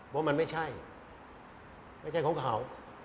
ว่ามันไม่ใช่ไม่ใช่ของเขา